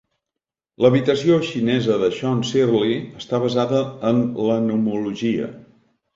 L'habitació xinesa de John Searle està basada en la nomologia.